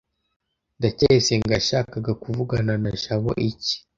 ndacyayisenga yashakaga kuvugana na jabo iki